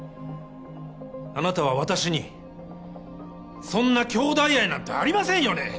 あなたは私にそんな兄弟愛なんてありませんよね